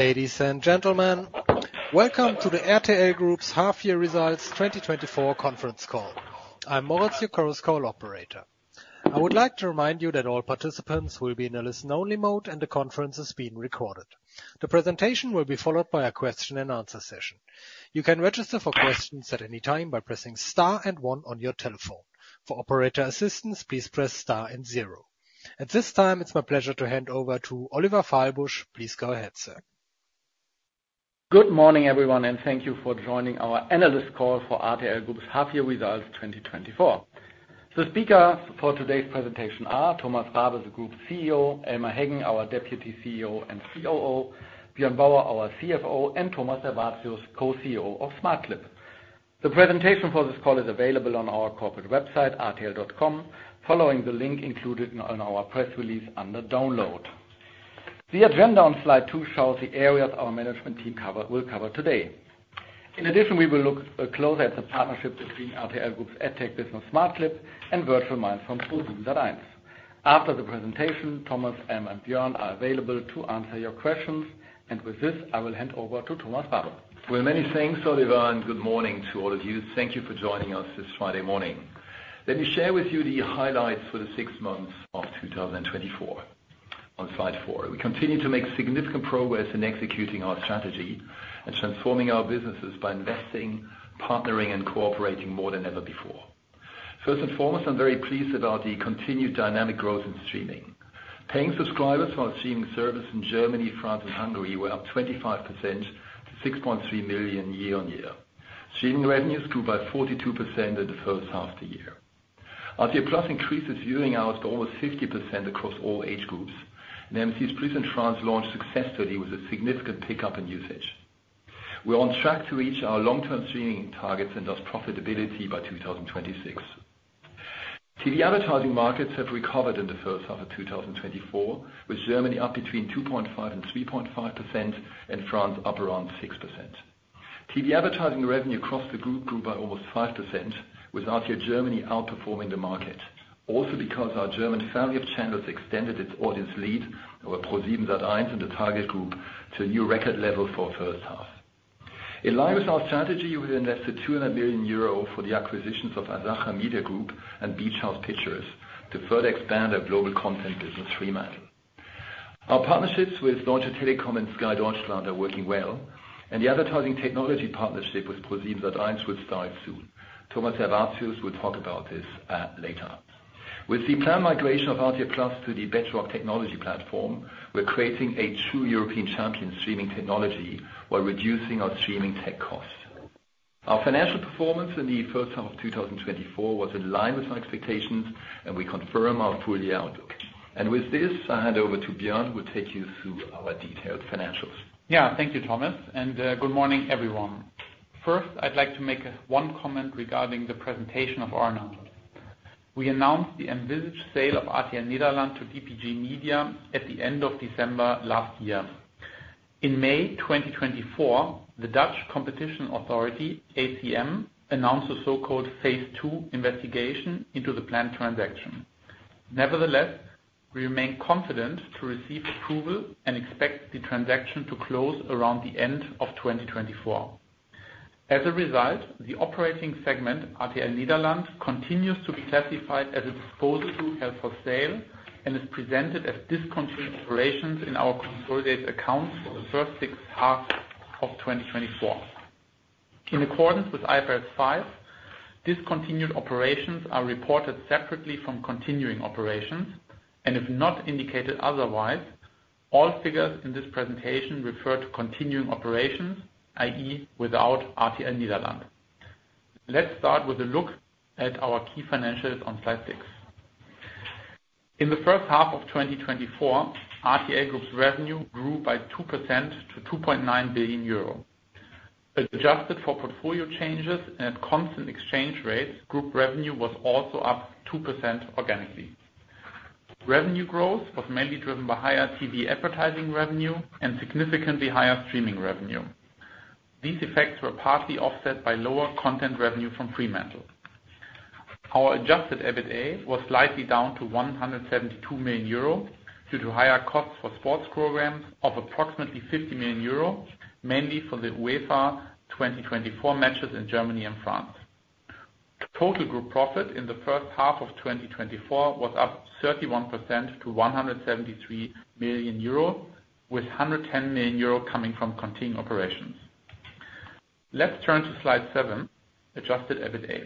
Ladies and gentlemen, welcome to the RTL Group's Half Year Results 2024 conference call. I'm Moritz, your current call operator. I would like to remind you that all participants will be in a listen-only mode, and the conference is being recorded. The presentation will be followed by a question and answer session. You can register for questions at any time by pressing star and one on your telephone. For operator assistance, please press star and zero. At this time, it's my pleasure to hand over to Oliver Fahlbusch. Please go ahead, sir. Good morning, everyone, and thank you for joining our analyst call for RTL Group's Half Year Results 2024. The speakers for today's presentation are Thomas Rabe, the Group's CEO; Elmar Heggen, our Deputy CEO and COO; Björn Bauer, our CFO; and Thomas Servatius, Co-CEO of Smartclip. The presentation for this call is available on our corporate website, rtl.com, following the link included in, on our press release under Download. The agenda on slide two shows the areas our management team will cover today. In addition, we will look closer at the partnership between RTL Group's AdTech Business Smartclip and Virtual Minds from ProSiebenSat.1. After the presentation, Thomas, Elmar, and Björn are available to answer your questions. And with this, I will hand over to Thomas Rabe. Well, many thanks, Oliver, and good morning to all of you. Thank you for joining us this Friday morning. Let me share with you the highlights for the six months of 2024, on slide four. We continue to make significant progress in executing our strategy and transforming our businesses by investing, partnering, and cooperating more than ever before. First and foremost, I'm very pleased about the continued dynamic growth in streaming. Paying subscribers for our streaming service in Germany, France, and Hungary were up 25% to 6.3 million year-on-year. Streaming revenues grew by 42% in the first half of the year. RTL+ increased its viewing hours by over 50% across all age groups, and AMC's Prison Front launched successfully with a significant pickup in usage. We're on track to reach our long-term streaming targets and thus profitability by 2026. TV advertising markets have recovered in the first half of 2024, with Germany up between 2.5% and 3.5% and France up around 6%. TV advertising revenue across the group grew by almost 5%, with RTL Germany outperforming the market. Also, because our German family of channels extended its audience lead over ProSiebenSat.1 and the target group to a new record level for first half. In line with our strategy, we invested 200 million euro for the acquisitions of Asacha Media Group and Beach House Pictures to further expand our global content business, Fremantle. Our partnerships with Orange Telecom and Sky Deutschland are working well, and the advertising technology partnership with ProSiebenSat.1 will start soon. Thomas Servatius will talk about this, later. With the planned migration of RTL+ to the Bedrock technology platform, we're creating a true European champion streaming technology while reducing our streaming tech costs. Our financial performance in the first half of 2024 was in line with our expectations, and we confirm our full year outlook. With this, I hand over to Björn, who will take you through our detailed financials. Yeah. Thank you, Thomas, and good morning, everyone. First, I'd like to make one comment regarding the presentation of our numbers. We announced the envisaged sale of RTL Nederland to DPG Media at the end of December last year. In May 2024, the Dutch Competition Authority, ACM, announced a so-called phase two investigation into the planned transaction. Nevertheless, we remain confident to receive approval and expect the transaction to close around the end of 2024. As a result, the operating segment, RTL Nederland, continues to be classified as a disposal held for sale and is presented as discontinued operations in our consolidated accounts for the first six halves of 2024. In accordance with IFRS 5, discontinued operations are reported separately from continuing operations, and if not indicated otherwise, all figures in this presentation refer to continuing operations, i.e., without RTL Nederland. Let's start with a look at our key financials on slide six. In the first half of 2024, RTL Group's revenue grew by 2% to 2.9 billion euro. Adjusted for portfolio changes and at constant exchange rates, group revenue was also up 2% organically. Revenue growth was mainly driven by higher TV advertising revenue and significantly higher streaming revenue. These effects were partly offset by lower content revenue from Fremantle. Our Adjusted EBITDA was slightly down to 172 million euro due to higher costs for sports programs of approximately 50 million euro, mainly for the UEFA 2024 matches in Germany and France. Total group profit in the first half of 2024 was up 31% to 173 million euro, with 110 million euro coming from continuing operations. Let's turn to slide seven: Adjusted EBITDA.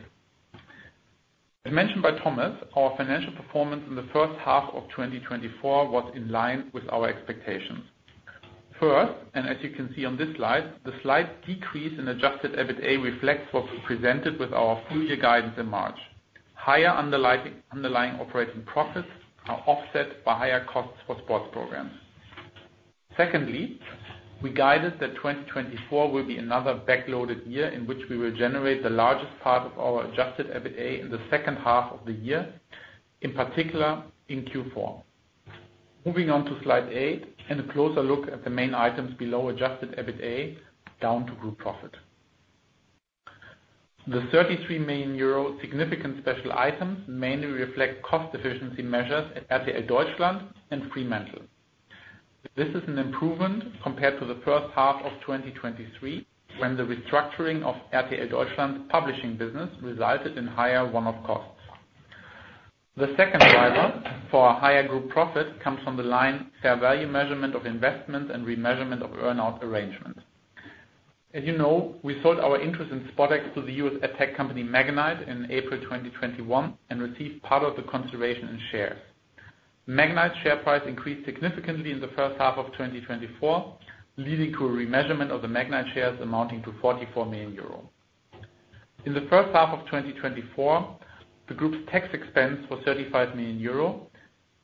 As mentioned by Thomas, our financial performance in the first half of 2024 was in line with our expectations. First, as you can see on this slide, the slight decrease in Adjusted EBITDA reflects what we presented with our full year guidance in March. Higher underlying operating profits are offset by higher costs for sports programs. Secondly, we guided that 2024 will be another backloaded year in which we will generate the largest part of our Adjusted EBITDA in the second half of the year, in particular in Q4. Moving on to Slide eight and a closer look at the main items below, Adjusted EBITDA down to group profit. The 33 million euro significant special items mainly reflect cost efficiency measures at RTL Deutschland and Fremantle. This is an improvement compared to the first half of 2023, when the restructuring of RTL Deutschland publishing business resulted in higher one-off costs. The second driver for our higher group profit comes from the line, fair value measurement of investment and remeasurement of earn-out arrangement. As you know, we sold our interest in SpotX to the U.S. ad tech company, Magnite, in April 2021, and received part of the consideration in shares. Magnite's share price increased significantly in the first half of 2024, leading to a remeasurement of the Magnite shares amounting to 44 million euro. In the first half of 2024, the group's tax expense was 35 million euro.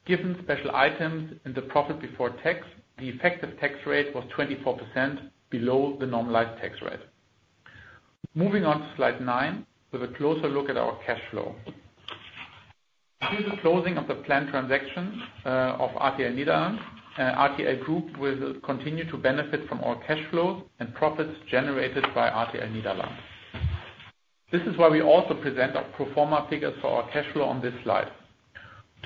Given special items and the profit before tax, the effective tax rate was 24% below the normalized tax rate. Moving on to slide nine, with a closer look at our cash flow. Due to the closing of the planned transaction of RTL Nederland, RTL Group will continue to benefit from our cash flow and profits generated by RTL Nederland. This is why we also present our pro forma figures for our cash flow on this slide.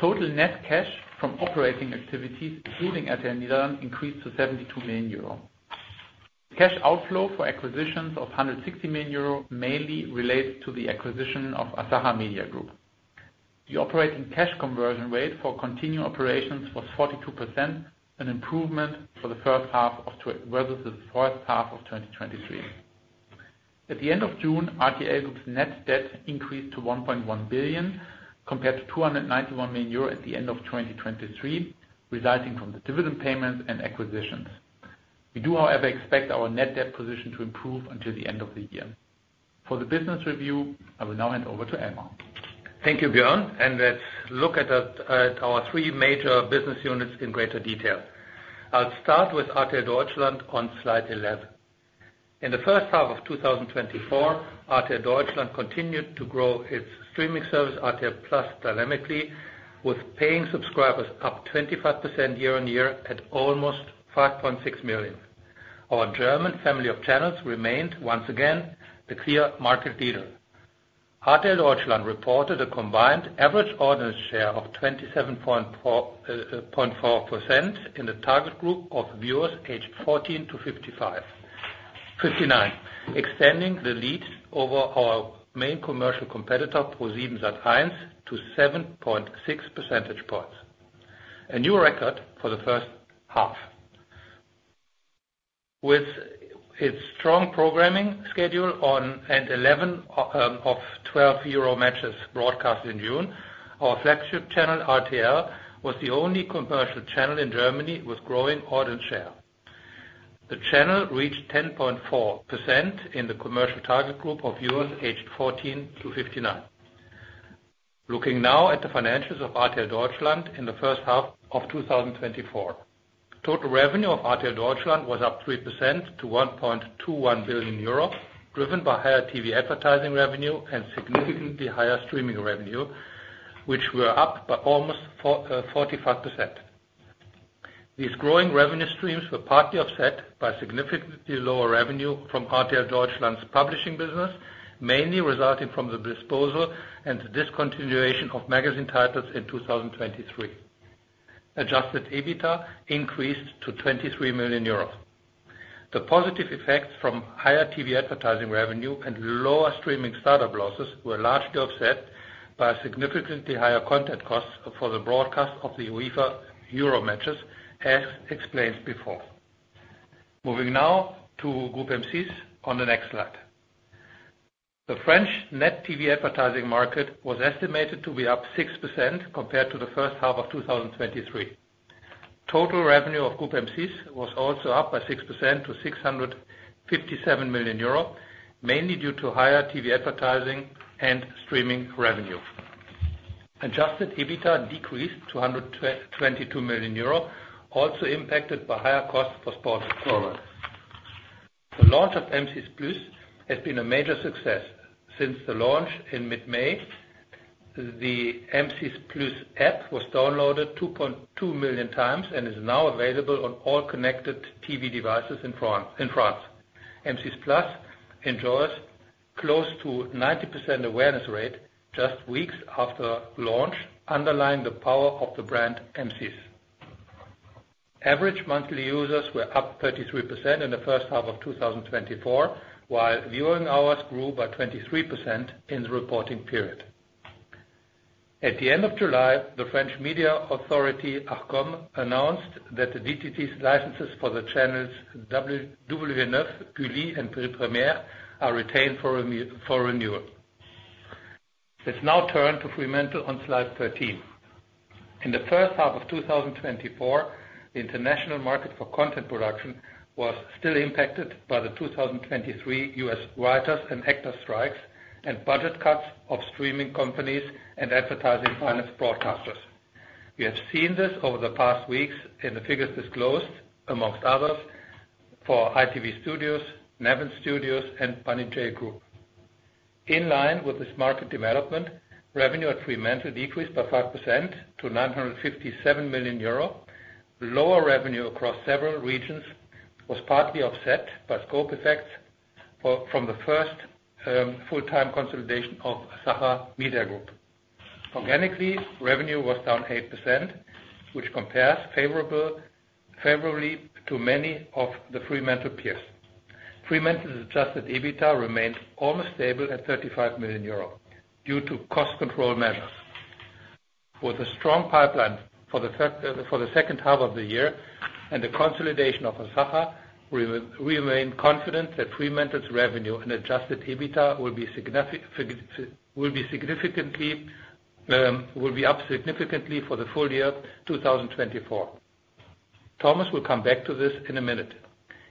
Total net cash from operating activities, including RTL Nederland, increased to 72 million euro. Cash outflow for acquisitions of 160 million euro, mainly relates to the acquisition of Asacha Media Group. The operating cash conversion rate for continuing operations was 42%, an improvement for the first half of 2024 versus the first half of 2023. At the end of June, RTL Group's net debt increased to 1.1 billion, compared to 291 million euro at the end of 2023, resulting from the dividend payments and acquisitions. We do, however, expect our net debt position to improve until the end of the year. For the business review, I will now hand over to Elmar. Thank you, Björn, and let's look at our three major business units in greater detail. I'll start with RTL Deutschland on Slide 11. In the first half of 2024, RTL Deutschland continued to grow its streaming service, RTL+, dynamically, with paying subscribers up 25% year-on-year at almost 5.6 million. Our German family of channels remained, once again, the clear market leader. RTL Deutschland reported a combined average audience share of 27.4% in the target group of viewers aged 14 to 55-59, extending the lead over our main commercial competitor, ProSiebenSat.1, to 7.6 percentage points, a new record for the first half. With its strong programming schedule on and 11 of 12 Euro matches broadcast in June, our flagship channel, RTL, was the only commercial channel in Germany with growing audience share. The channel reached 10.4% in the commercial target group of viewers aged 14-59. Looking now at the financials of RTL Deutschland in the first half of 2024. Total revenue of RTL Deutschland was up 3% to 1.21 billion euro, driven by higher TV advertising revenue and significantly higher streaming revenue, which were up by almost 45%. These growing revenue streams were partly offset by significantly lower revenue from RTL Deutschland's publishing business, mainly resulting from the disposal and discontinuation of magazine titles in 2023. Adjusted EBITDA increased to 23 million euros. The positive effects from higher TV advertising revenue and lower streaming startup losses were largely offset by significantly higher content costs for the broadcast of the UEFA Euro matches, as explained before. Moving now to Group M6 on the next slide. The French net TV advertising market was estimated to be up 6% compared to the first half of 2023. Total revenue of Group M6 was also up by 6% to 657 million euro, mainly due to higher TV advertising and streaming revenue. Adjusted EBITDA decreased to 122 million euro, also impacted by higher costs for sports rights. The launch of M6+ has been a major success. Since the launch in mid-May, the M6+ app was downloaded 2.2 million times and is now available on all connected TV devices in France. M6+ enjoys close to 90% awareness rate just weeks after launch, underlying the power of the brand M6. Average monthly users were up 33% in the first half of 2024, while viewing hours grew by 23% in the reporting period. At the end of July, the French media authority, Arcom, announced that the DTT's licenses for the channels W9, Gulli, and Paris Première, are retained for renewal. Let's now turn to Fremantle on Slide 13. In the first half of 2024, the international market for content production was still impacted by the 2023 U.S. writers and actor strikes, and budget cuts of streaming companies and advertising-financed broadcasters. We have seen this over the past weeks, and the figures disclosed, among others, for ITV Studios, Newen Studios, and Banijay Group. In line with this market development, revenue at Fremantle decreased by 5% to 957 million euro. The lower revenue across several regions was partly offset by scope effects from the first full-time consolidation of Asacha Media Group. Organically, revenue was down 8%, which compares favorably to many of the Fremantle peers. Fremantle's Adjusted EBITDA remained almost stable at 35 million euro due to cost control measures. With a strong pipeline for the second half of the year, and the consolidation of Asacha, we remain confident that Fremantle's revenue and adjusted EBITDA will be significantly up for the full year 2024. Thomas will come back to this in a minute.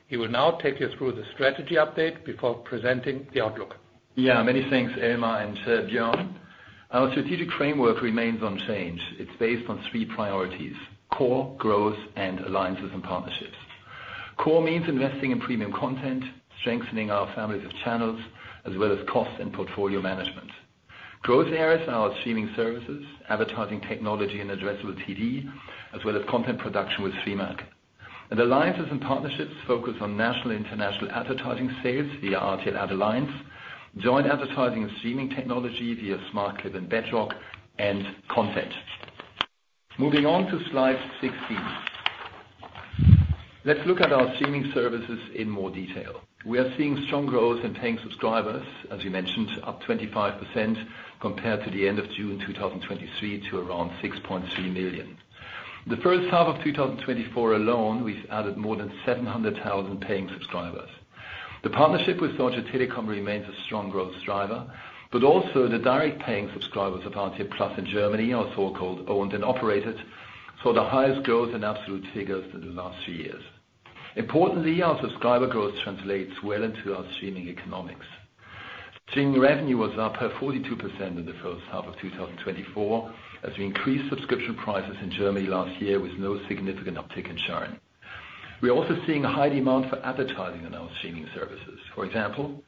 He will now take you through the strategy update before presenting the outlook. Yeah, many thanks, Elmar and, Björn. Our strategic framework remains unchanged. It's based on three priorities: core, growth, and alliances and partnerships. Core means investing in premium content, strengthening our families of channels, as well as cost and portfolio management. Growth areas are our streaming services, advertising technology, and addressable TV, as well as content production with Fremantle. And alliances and partnerships focus on national and international advertising sales via RTL AdAlliance, joint advertising and streaming technology via Smartclip and Bedrock, and content. Moving on to Slide 16. Let's look at our streaming services in more detail. We are seeing strong growth in paying subscribers, as we mentioned, up 25% compared to the end of June 2023, to around 6.3 million. The first half of 2024 alone, we've added more than 700,000 paying subscribers. The partnership with Deutsche Telekom remains a strong growth driver, but also the direct-paying subscribers of RTL+ in Germany, our so-called owned and operated, saw the highest growth in absolute figures in the last three years. Importantly, our subscriber growth translates well into our streaming economics. Streaming revenue was up 42% in the first half of 2024, as we increased subscription prices in Germany last year with no significant uptick in churn. We are also seeing a high demand for advertising in our streaming services. For example,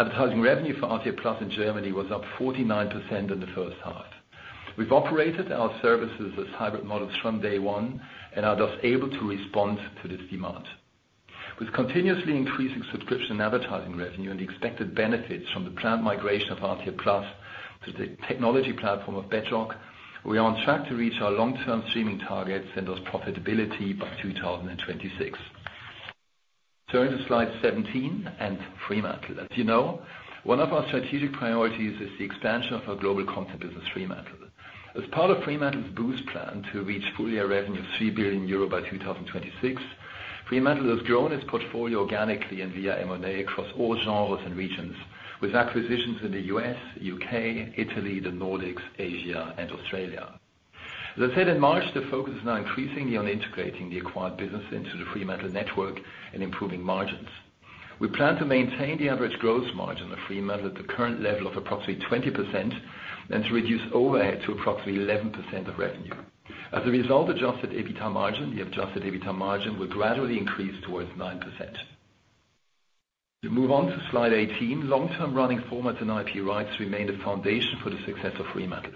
advertising revenue for RTL+ in Germany was up 49% in the first half. We've operated our services as hybrid models from day one, and are thus able to respond to this demand. With continuously increasing subscription and advertising revenue and the expected benefits from the planned migration of RTL+ to the technology platform of Bedrock, we are on track to reach our long-term streaming targets and thus profitability by 2026. Turning to Slide 17 and Fremantle. As you know, one of our strategic priorities is the expansion of our global content business, Fremantle. As part of Fremantle's Boost plan to reach full-year revenue of 3 billion euro by 2026, Fremantle has grown its portfolio organically and via M&A across all genres and regions, with acquisitions in the US, UK, Italy, the Nordics, Asia, and Australia. As I said in March, the focus is now increasingly on integrating the acquired business into the Fremantle network and improving margins. We plan to maintain the average growth margin of Fremantle at the current level of approximately 20% and to reduce overhead to approximately 11% of revenue. As a result, Adjusted EBITDA margin, the Adjusted EBITDA margin, will gradually increase towards 9%. We move on to Slide 18. Long-term running formats and IP rights remain the foundation for the success of Fremantle.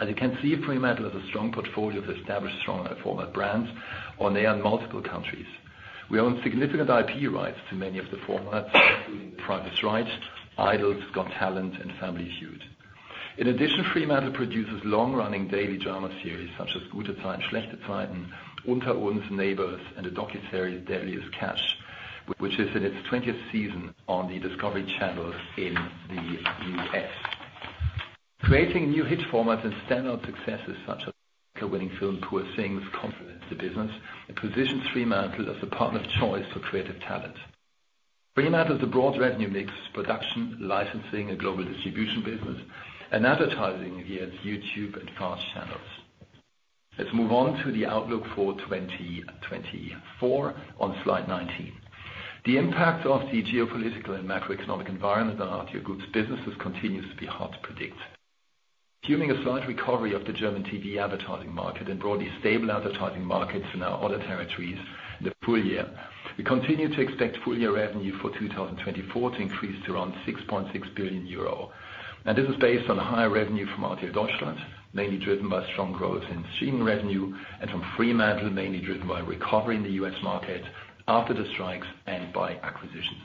As you can see, Fremantle has a strong portfolio of established, strong, format brands, on-air in multiple countries. We own significant IP rights to many of the formats, including The Price Is Right, Idols, Got Talent, and Family Feud. In addition, Fremantle produces long-running daily drama series such as Gute Zeiten, schlechte Zeiten, Unter uns, Neighbours, and the docuseries Deadliest Catch, which is in its 20th season on the Discovery Channel in the US. Creating new hit formats and standout successes, such as the Oscar-winning film, Poor Things, confidence the business, and positions Fremantle as the partner of choice for creative talent. Fremantle is a broad revenue mix, production, licensing, and global distribution business, and advertising via YouTube and fast channels. Let's move on to the outlook for 2024 on Slide 19. The impact of the geopolitical and macroeconomic environment on RTL Group's businesses continues to be hard to predict. Giving a slight recovery of the German TV advertising market and broadly stable advertising markets in our other territories in the full year, we continue to expect full-year revenue for 2024 to increase to around 6.6 billion euro. Now, this is based on higher revenue from RTL Deutschland, mainly driven by strong growth in streaming revenue, and from Fremantle, mainly driven by recovery in the US market after the strikes and by acquisitions.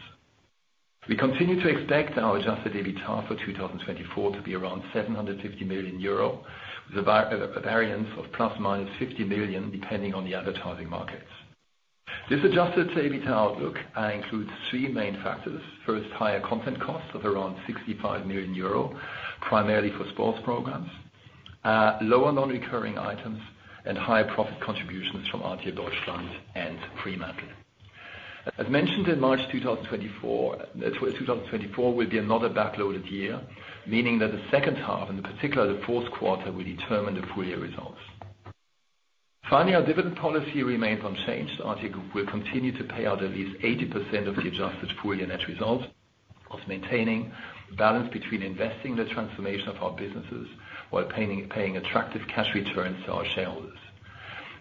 We continue to expect our Adjusted EBITDA for 2024 to be around 750 million euro, with a variance of ±50 million, depending on the advertising markets. This Adjusted EBITDA outlook includes three main factors: First, higher content costs of around 65 million euro, primarily for sports programs, lower non-recurring items, and higher profit contributions from RTL Deutschland and Fremantle. As mentioned in March 2024, 2024 will be another backloaded year, meaning that the second half, and in particular, the fourth quarter, will determine the full-year results. Finally, our dividend policy remains unchanged. RTL will continue to pay out at least 80% of the adjusted full-year net result, while maintaining balance between investing in the transformation of our businesses, while paying, paying attractive cash returns to our shareholders.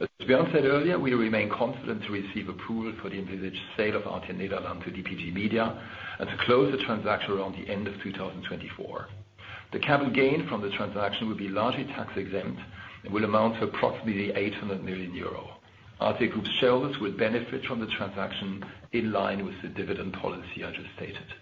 As Björn said earlier, we remain confident to receive approval for the envisaged sale of RTL Nederland to DPG Media, and to close the transaction around the end of 2024. The capital gain from the transaction will be largely tax-exempt, and will amount to approximately 800 million euro. RTL Group's shareholders will benefit from the transaction in line with the dividend policy I just stated.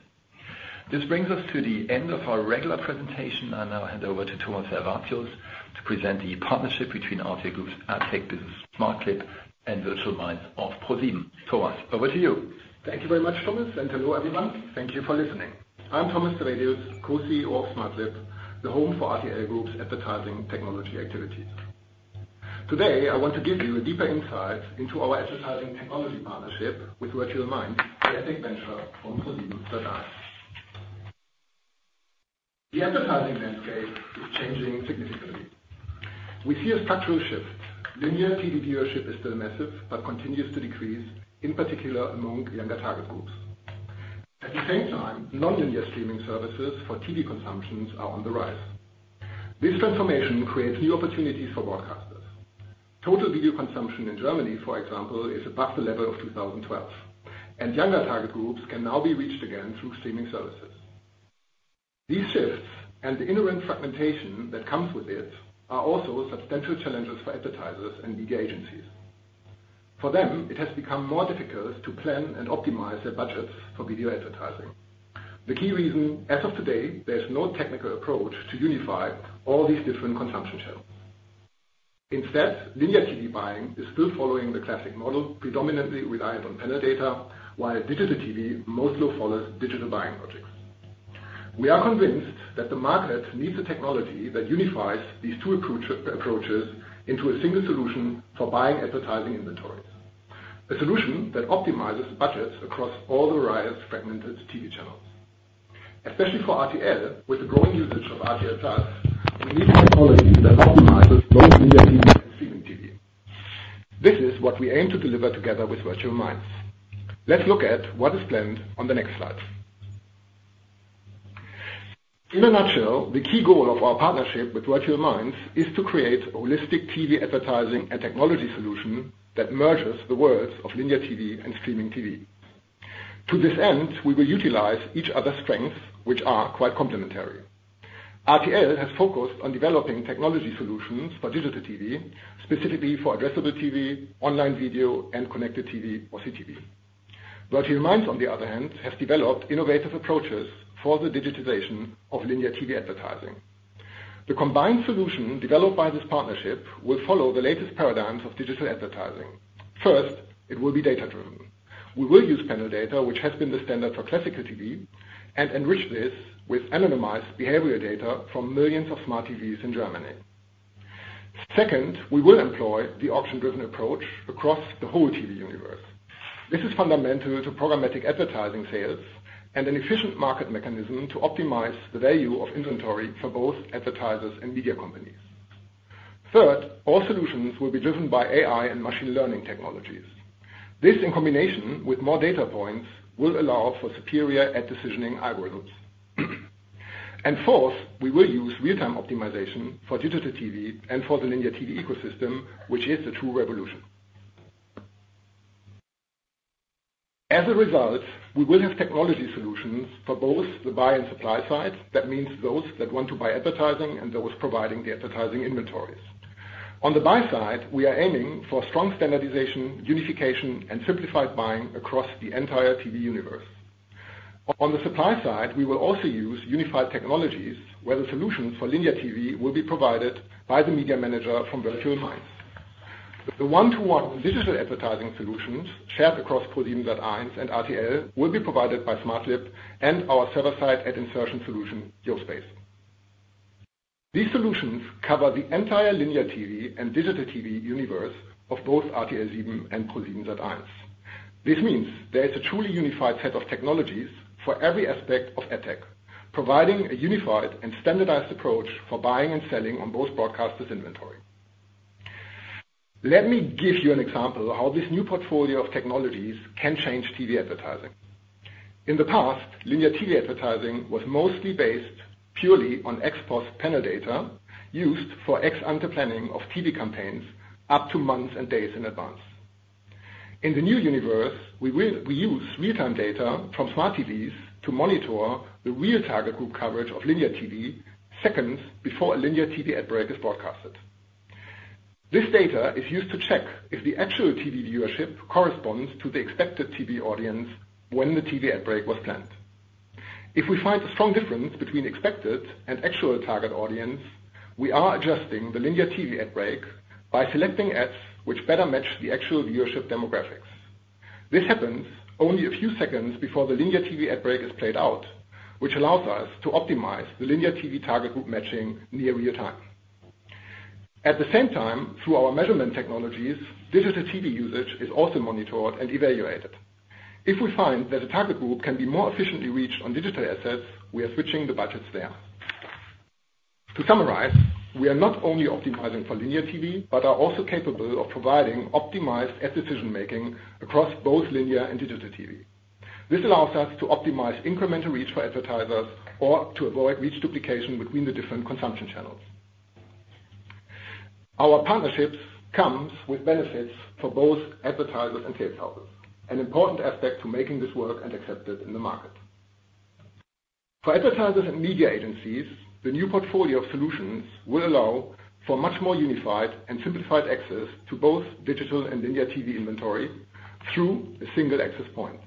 This brings us to the end of our regular presentation. I now hand over to Thomas Servatius, to present the partnership between RTL Group's AdTech business, Smartclip, and Virtual Minds of ProSieben. Thomas, over to you. Thank you very much, Thomas, and hello, everyone. Thank you for listening. I'm Thomas Servatius, co-CEO of Smartclip, the home for RTL Group's advertising technology activities. Today, I want to give you a deeper insight into our advertising technology partnership with Virtual Minds, an AdTech venture from ProSiebenSat.1. The advertising landscape is changing significantly. We see a structural shift. Linear TV viewership is still massive, but continues to decrease, in particular among younger target groups. At the same time, non-linear streaming services for TV consumptions are on the rise. This transformation creates new opportunities for broadcasters. Total video consumption in Germany, for example, is above the level of 2012, and younger target groups can now be reached again through streaming services. These shifts, and the inherent fragmentation that comes with it, are also substantial challenges for advertisers and media agencies. For them, it has become more difficult to plan and optimize their budgets for video advertising. The key reason, as of today, there is no technical approach to unify all these different consumption channels. Instead, Linear TV buying is still following the classic model, predominantly relied on panel data, while digital TV mostly follows digital buying projects. We are convinced that the market needs a technology that unifies these two approaches into a single solution for buying advertising inventories. A solution that optimizes budgets across all the various fragmented TV channels. Especially for RTL, with the growing usage of RTL+, we need technology that optimizes both Linear TV and Streaming TV. This is what we aim to deliver together with Virtual Minds. Let's look at what is planned on the next slide. In a nutshell, the key goal of our partnership with Virtual Minds is to create a holistic TV advertising and technology solution that merges the worlds of linear TV and streaming TV. To this end, we will utilize each other's strengths, which are quite complementary. RTL has focused on developing technology solutions for digital TV, specifically for addressable TV, online video, and connected TV or CTV. Virtual Minds, on the other hand, has developed innovative approaches for the digitization of linear TV advertising. The combined solution developed by this partnership will follow the latest paradigms of digital advertising. First, it will be data-driven. We will use panel data, which has been the standard for classical TV, and enrich this with anonymized behavioral data from millions of smart TVs in Germany. Second, we will employ the auction-driven approach across the whole TV universe. This is fundamental to programmatic advertising sales and an efficient market mechanism to optimize the value of inventory for both advertisers and media companies. Third, all solutions will be driven by AI and machine learning technologies. This, in combination with more data points, will allow for superior ad decisioning algorithms. Fourth, we will use real-time optimization for digital TV and for the Linear TV ecosystem, which is the true revolution. As a result, we will have technology solutions for both the buy and supply sides. That means those that want to buy advertising and those providing the advertising inventories. On the buy side, we are aiming for strong standardization, unification, and simplified buying across the entire TV universe. On the supply side, we will also use unified technologies, where the solution for Linear TV will be provided by the Media Manager from Virtual Minds. The one-to-one digital advertising solutions shared across ProSiebenSat.1 and RTL will be provided by Smartclip and our server-side ad insertion solution, Yospace. These solutions cover the entire linear TV and digital TV universe of both RTL Seven and ProSiebenSat.1. This means there is a truly unified set of technologies for every aspect of AdTech, providing a unified and standardized approach for buying and selling on both broadcasters' inventory. Let me give you an example of how this new portfolio of technologies can change TV advertising. In the past, linear TV advertising was mostly based purely on ex-post panel data used for ex-ante planning of TV campaigns up to months and days in advance. In the new universe, we use real-time data from smart TVs to monitor the real target group coverage of linear TV seconds before a linear TV ad break is broadcasted. This data is used to check if the actual TV viewership corresponds to the expected TV audience when the TV ad break was planned. If we find a strong difference between expected and actual target audience, we are adjusting the linear TV ad break by selecting ads which better match the actual viewership demographics. This happens only a few seconds before the linear TV ad break is played out, which allows us to optimize the linear TV target group matching in near real time. At the same time, through our measurement technologies, digital TV usage is also monitored and evaluated. If we find that a target group can be more efficiently reached on digital assets, we are switching the budgets there. To summarize, we are not only optimizing for linear TV, but are also capable of providing optimized ad decision-making across both linear and digital TV. This allows us to optimize incremental reach for advertisers or to avoid reach duplication between the different consumption channels. Our partnerships come with benefits for both advertisers and sales houses, an important aspect to making this work and accepted in the market. For advertisers and media agencies, the new portfolio of solutions will allow for much more unified and simplified access to both digital and linear TV inventory through a single access point.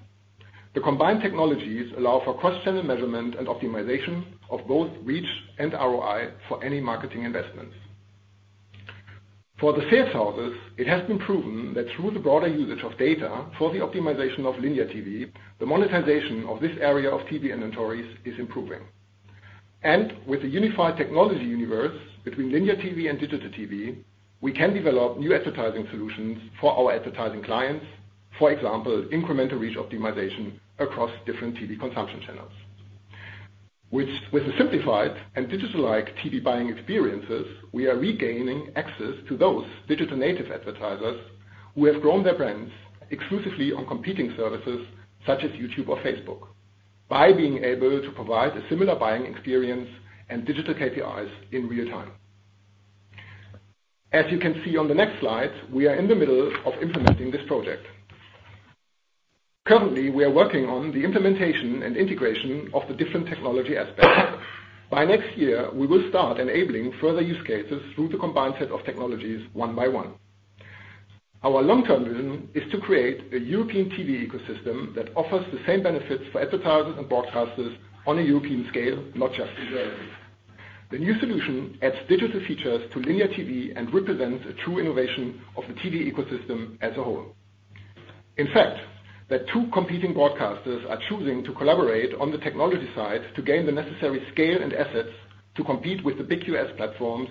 The combined technologies allow for cross-channel measurement and optimization of both reach and ROI for any marketing investments. For the sales houses, it has been proven that through the broader usage of data for the optimization of linear TV, the monetization of this area of TV inventories is improving. With the unified technology universe between linear TV and digital TV, we can develop new advertising solutions for our advertising clients. For example, incremental reach optimization across different TV consumption channels. Which, with the simplified and digital-like TV buying experiences, we are regaining access to those digital native advertisers who have grown their brands exclusively on competing services such as YouTube or Facebook, by being able to provide a similar buying experience and digital KPIs in real time. As you can see on the next slide, we are in the middle of implementing this project. Currently, we are working on the implementation and integration of the different technology aspects. By next year, we will start enabling further use cases through the combined set of technologies, one by one. Our long-term vision is to create a European TV ecosystem that offers the same benefits for advertisers and broadcasters on a European scale, not just in Germany. The new solution adds digital features to Linear TV and represents a true innovation of the TV ecosystem as a whole. In fact, that two competing broadcasters are choosing to collaborate on the technology side to gain the necessary scale and assets to compete with the big U.S. platforms,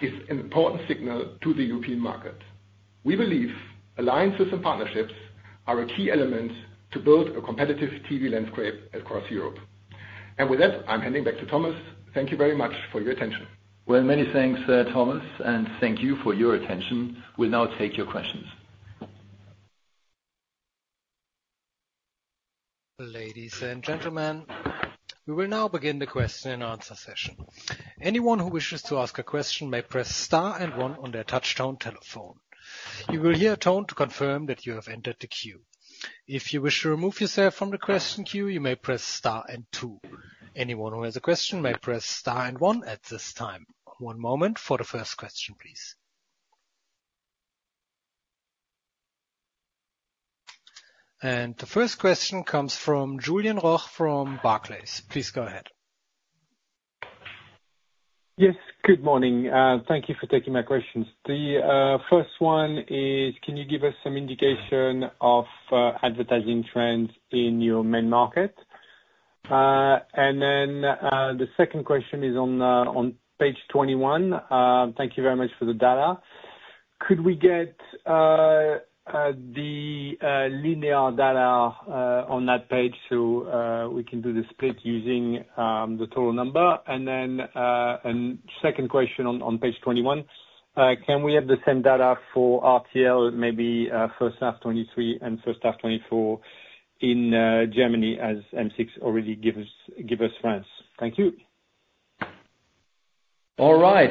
is an important signal to the European market. We believe alliances and partnerships are a key element to build a competitive TV landscape across Europe. And with that, I'm handing back to Thomas. Thank you very much for your attention. Well, many thanks, Thomas, and thank you for your attention. We'll now take your questions. Ladies and gentlemen, we will now begin the question and answer session. Anyone who wishes to ask a question may press star and one on their touchtone telephone. You will hear a tone to confirm that you have entered the queue. If you wish to remove yourself from the question queue, you may press star and two. Anyone who has a question may press star and one at this time. One moment for the first question, please. And the first question comes from Julien Roch from Barclays. Please go ahead. Yes, good morning, thank you for taking my questions. The first one is, can you give us some indication of advertising trends in your main market? And then, the second question is on, on page 21. Thank you very much for the data. Could we get the linear data on that page so we can do the split using the total number? And then, second question on, on page 21. Can we have the same data for RTL, maybe, first half 2023 and first half 2024, in Germany, as M6 already give us, give us France? Thank you. All right.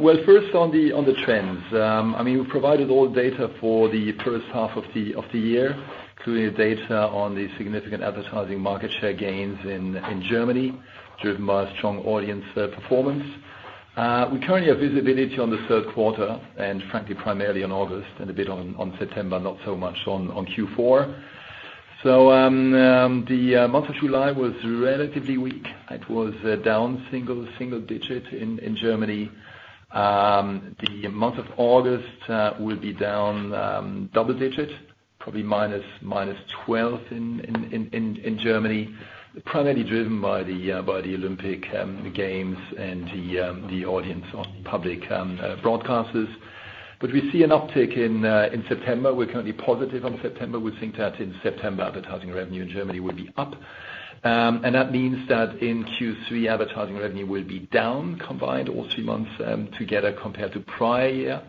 Well, first on the trends. I mean, we provided all data for the first half of the year, including the data on the significant advertising market share gains in Germany, driven by strong audience performance. We currently have visibility on the third quarter, and frankly, primarily on August and a bit on September, not so much on Q4. So, the month of July was relatively weak. It was down single digit in Germany. The month of August will be down double digit, probably minus 12 in Germany, primarily driven by the Olympic Games and the audience on public broadcasters. But we see an uptick in September. We're currently positive on September. We think that in September, advertising revenue in Germany will be up. And that means that in Q3, advertising revenue will be down, combined all three months, together, compared to prior year.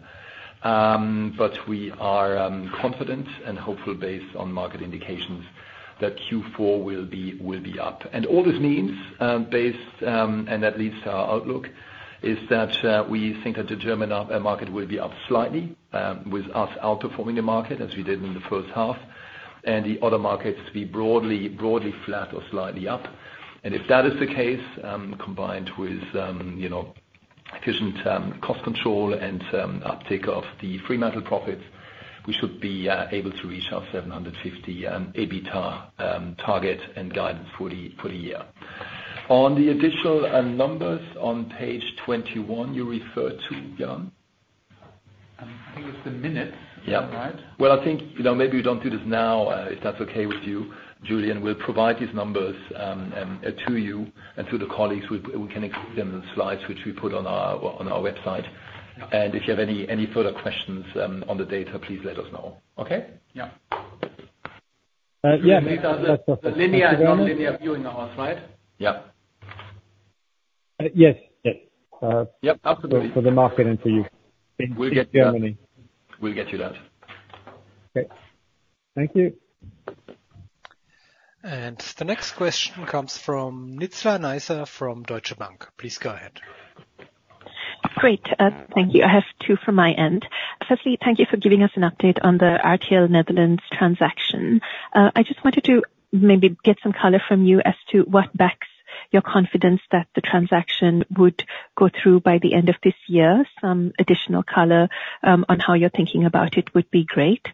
But we are confident and hopeful, based on market indications, that Q4 will be up. And all this means, based, and at least our outlook, is that we think that the German market will be up slightly, with us outperforming the market as we did in the first half, and the other markets to be broadly flat or slightly up. And if that is the case, combined with, you know, efficient cost control and uptick of the Fremantle profits, we should be able to reach our 750 million EBITDA target and guidance for the year. On the additional numbers on page 21, you referred to, Jan? I think it's the minutes- Yeah. Right? Well, I think, you know, maybe we don't do this now, if that's okay with you, Julien. We'll provide these numbers to you and to the colleagues. We can include them in the slides, which we put on our website. And if you have any further questions on the data, please let us know. Okay? Yeah. Yeah, these are the linear and non-linear viewing hours, right? Yeah. Yes, yes. Yep, absolutely. For, for the market and for you. We'll get you that. In Germany. We'll get you that. Great. Thank you.... The next question comes from Nizla Naizer from Deutsche Bank. Please go ahead. Great, thank you. I have two from my end. Firstly, thank you for giving us an update on the RTL Netherlands transaction. I just wanted to maybe get some color from you as to what backs your confidence that the transaction would go through by the end of this year. Some additional color, on how you're thinking about it would be great.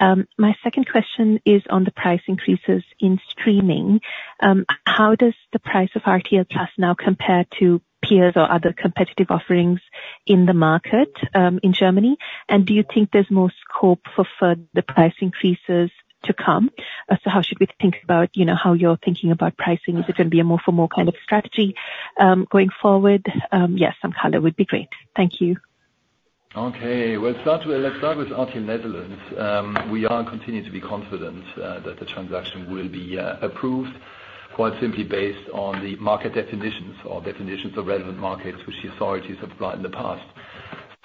My second question is on the price increases in streaming. How does the price of RTL+ now compare to peers or other competitive offerings in the market, in Germany? And do you think there's more scope for further price increases to come? So how should we think about, you know, how you're thinking about pricing? Is it gonna be a more for more kind of strategy, going forward? Yes, some color would be great. Thank you. Okay. Well, start with, let's start with RTL Netherlands. We are continuing to be confident that the transaction will be approved, quite simply based on the market definitions or definitions of relevant markets which the authorities have brought in the past.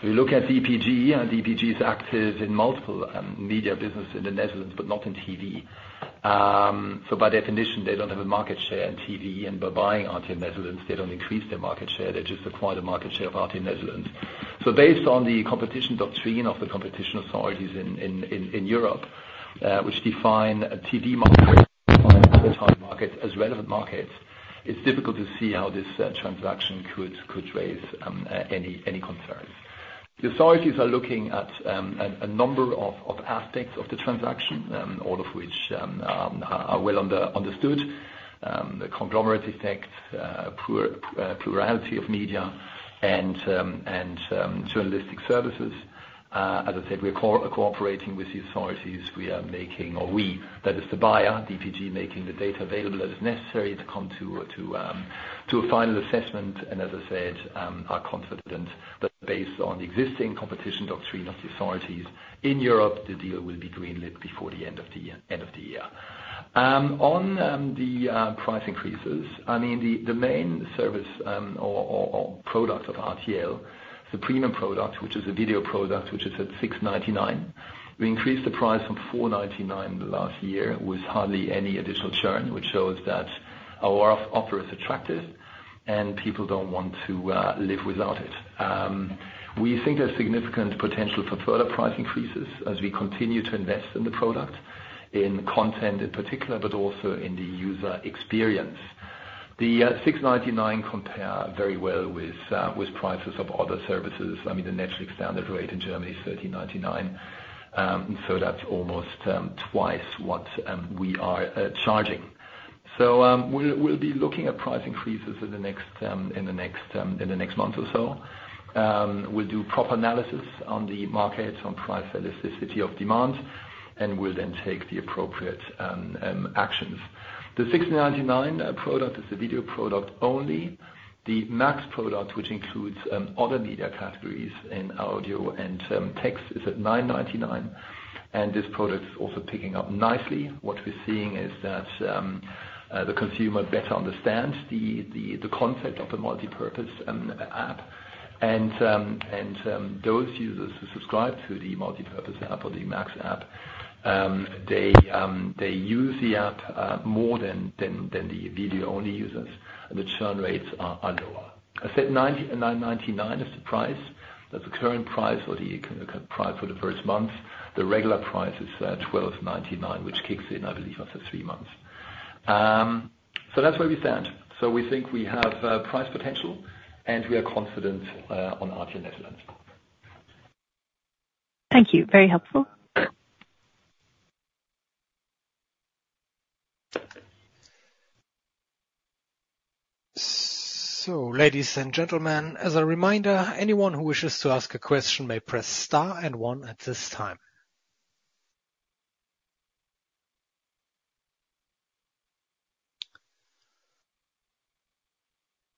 We look at DPG, and DPG is active in multiple media business in the Netherlands, but not in TV. So by definition, they don't have a market share in TV, and by buying RTL Netherlands, they don't increase their market share. They just acquire the market share of RTL Netherlands. So based on the competition doctrine of the competition authorities in Europe, which define a TV market, define the entire market as relevant markets, it's difficult to see how this transaction could raise any concerns. The authorities are looking at a number of aspects of the transaction, all of which are well understood. The conglomerate effect, plurality of media and journalistic services. As I said, we're cooperating with the authorities. We are making, or we, that is the buyer, DPG, making the data available as necessary to come to a final assessment, and as I said, are confident that based on the existing competition doctrine of the authorities in Europe, the deal will be green lit before the end of the year, end of the year. On the price increases, I mean, the main service or product of RTL, the premium product, which is a video product, which is at 6.99, we increased the price from 4.99 last year with hardly any additional churn, which shows that our offer is attractive and people don't want to live without it. We think there's significant potential for further price increases as we continue to invest in the product, in content in particular, but also in the user experience. The 699 compares very well with prices of other services. I mean, the Netflix standard rate in Germany is 13.99. So that's almost twice what we are charging. We'll be looking at price increases in the next month or so. We'll do proper analysis on the market, on price elasticity of demand, and we'll then take the appropriate actions. The 6.99 product is a video product only. The Max product, which includes other media categories in audio and text, is at 9.99, and this product is also picking up nicely. What we're seeing is that the consumer better understands the concept of the multipurpose app. Those users who subscribe to the multipurpose app or the Max app, they use the app more than the video-only users, and the churn rates are lower. I said 9.99 is the price. That's the current price or the price for the first month. The regular price is 12.99, which kicks in, I believe, after three months. So that's where we stand. So we think we have price potential, and we are confident on RTL Nederland. Thank you. Very helpful. So, ladies and gentlemen, as a reminder, anyone who wishes to ask a question may press star and 1 at this time.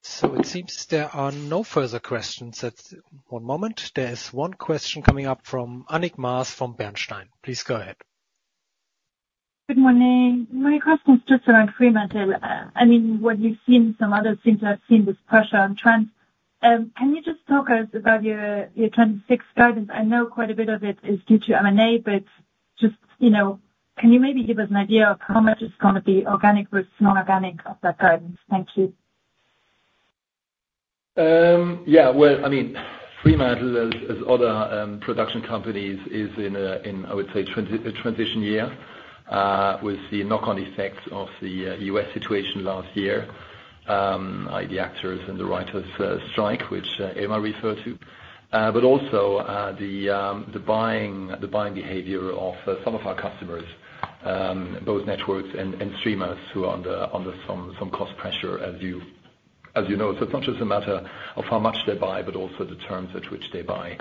So it seems there are no further questions. That's... one moment. There is one question coming up from Annick Maas, from Bernstein. Please go ahead. Good morning. My question is just around Fremantle. I mean, what you've seen, some others seem to have seen this pressure on trends. Can you just talk us about your 2026 guidance? I know quite a bit of it is due to M&A, but just, you know, can you maybe give us an idea of how much it's gonna be organic versus non-organic of that guidance? Thank you. Yeah, well, I mean, Fremantle, as other production companies, is in a, in, I would say, a transition year, with the knock-on effects of the US situation last year, i.e., the actors and the writers strike, which Elmar referred to. But also, the buying behavior of some of our customers, both networks and streamers who are under some cost pressure, as you know. So it's not just a matter of how much they buy, but also the terms at which they buy.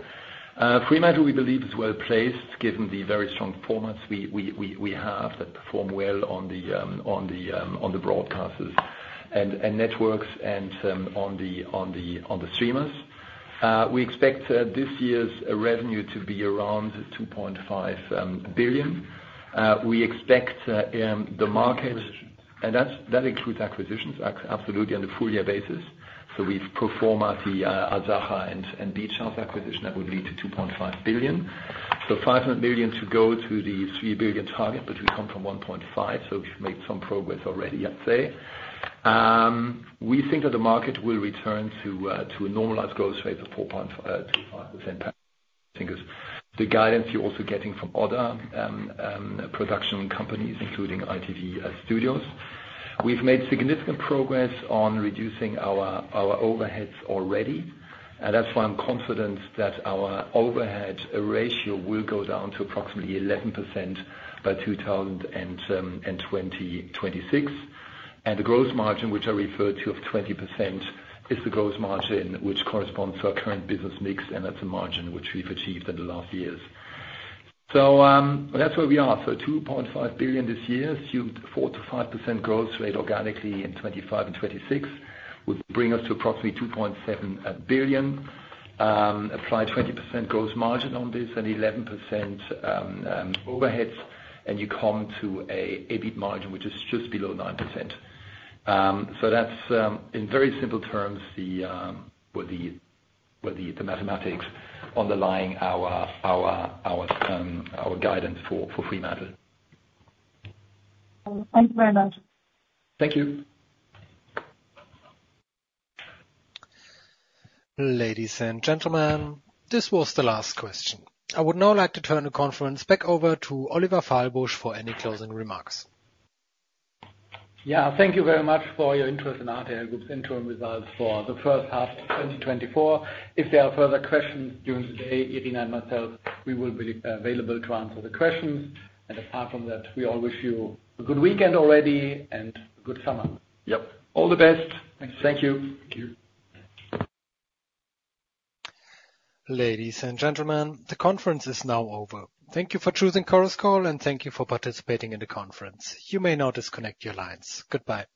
Fremantle, we believe, is well-placed, given the very strong performance we have that perform well on the broadcasters and networks and on the streamers. We expect this year's revenue to be around 2.5 billion. We expect the market- Acquisition. And that's that includes acquisitions, absolutely, on a full year basis. So we've pro forma the Asacha and Beach House acquisition, that would lead to 2.5 billion. So 500 million to go to the 3 billion target, but we come from 1.5 billion, so we've made some progress already, I'd say. We think that the market will return to a normalized growth rate of 4.25%, I think is the guidance you're also getting from other production companies, including ITV Studios. We've made significant progress on reducing our overheads already, and that's why I'm confident that our overhead ratio will go down to approximately 11% by 2026. The gross margin, which I referred to, of 20%, is the gross margin which corresponds to our current business mix, and that's a margin which we've achieved in the last years. So, that's where we are. So 2.5 billion this year, assumed 4%-5% growth rate organically in 2025 and 2026, would bring us to approximately 2.7 billion. Apply 20% gross margin on this and 11% overheads, and you come to an EBIT margin, which is just below 9%. So that's, in very simple terms, the mathematics underlying our guidance for Fremantle. Thank you very much. Thank you. Ladies and gentlemen, this was the last question. I would now like to turn the conference back over to Oliver Fahlbusch for any closing remarks. Yeah, thank you very much for your interest in RTL Group's interim results for the first half of 2024. If there are further questions during the day, Irina and myself, we will be available to answer the questions. Apart from that, we all wish you a good weekend already and a good summer. Yep. All the best. Thank you. Thank you. Thank you. Ladies and gentlemen, the conference is now over. Thank you for choosing Conference Call, and thank you for participating in the conference. You may now disconnect your lines. Goodbye.